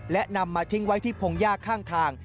และนำมาทิ้งไว้ที่พงหญ้าข้างทาง